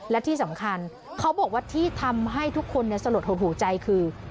และที่สำคัญเขาบอกว่าที่ทำให้ทุกคนสลดหดหูใจคือ